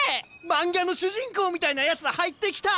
漫画の主人公みたいなやつ入ってきた！